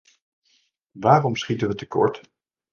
Waarom schieten we tekort?